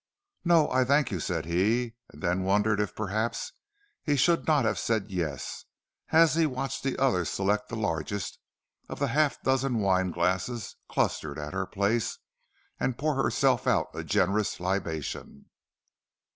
"No, I thank you," said he, and then wondered if perhaps he should not have said yes, as he watched the other select the largest of the half dozen wine glasses clustered at her place, and pour herself out a generous libation.